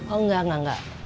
oh engga engga engga